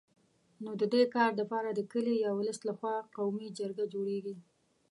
نو د دي کار دپاره د کلي یا ولس له خوا قومي جرګه جوړېږي